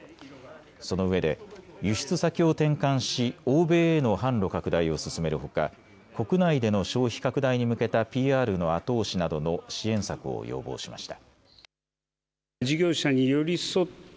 そのうえで輸出先を転換し欧米への販路拡大を進めるほか、国内での消費拡大に向けたＰＲの後押しなどの支援策を要望しました。